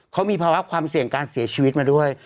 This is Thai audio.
เขามีภาวะความเสี่ยงการเสียชีวิตมาด้วย